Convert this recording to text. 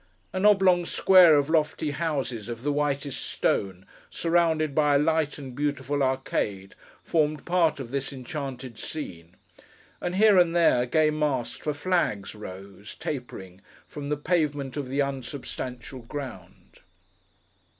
An oblong square of lofty houses of the whitest stone, surrounded by a light and beautiful arcade, formed part of this enchanted scene; and, here and there, gay masts for flags rose, tapering, from the pavement of the unsubstantial ground.